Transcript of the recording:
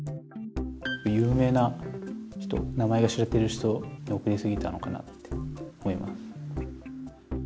有名な人名前が知れてる人に送りすぎたのかなって思います。